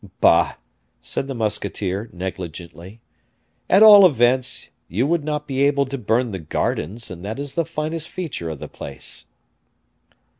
"Bah!" said the musketeer, negligently. "At all events, you would not be able to burn the gardens, and that is the finest feature of the place."